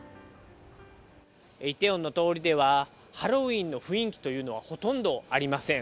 イテウォンの通りでは、ハロウィーンの雰囲気というのはほとんどありません。